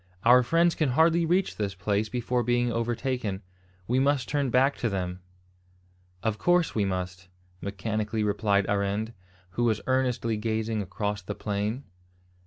"Our friends can hardly reach this place before being overtaken. We must turn back to them." "Of course we must," mechanically replied Arend, who was earnestly gazing across the plain.